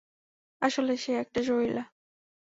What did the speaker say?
আসলে, সে একটা যরিলা।